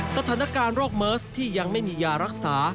สถานการณ์โรคเมิร์สที่ยังไม่มียารักษา